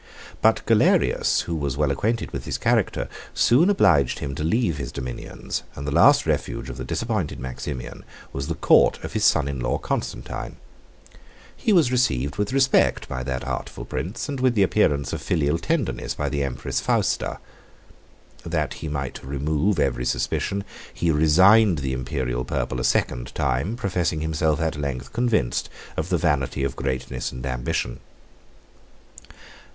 But Galerius, who was well acquainted with his character, soon obliged him to leave his dominions, and the last refuge of the disappointed Maximian was the court of his son in law Constantine. 33 He was received with respect by that artful prince, and with the appearance of filial tenderness by the empress Fausta. That he might remove every suspicion, he resigned the Imperial purple a second time, 34 professing himself at length convinced of the vanity of greatness and ambition.